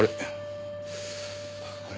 あれ？